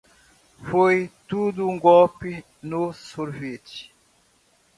Foi tudo um golpe no sorvete.